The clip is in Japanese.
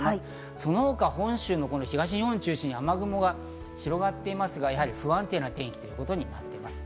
その他、本州の東日本を中心に雨雲が広がっていますが、不安定な天気ということになっています。